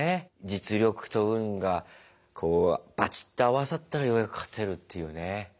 実力と運がこうバチッと合わさったらようやく勝てるっていうね。